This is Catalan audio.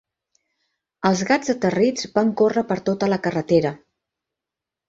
Els gats aterrits van córrer per tota la carretera.